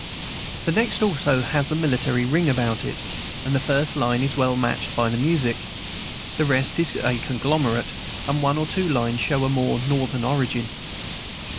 The next also has a military ring about it, and the first line is well matched by the music. The rest is conglomerate, and one or two lines show a more Northern origin.